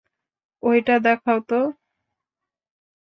ওইটা দেখাও তো।